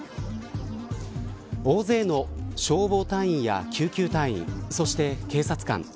大勢の消防隊員や救急隊員そして警察官。